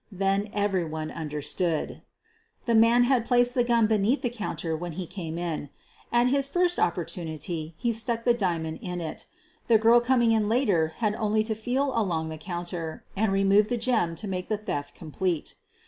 Then everyone understood. The man had placed the gum beneath the counter when he came in. At his first opportunity he stuck the diamond in it. The girl coming in later had only to feel along the counter and remove the gem to make the theft complete.